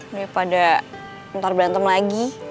daripada ntar berantem lagi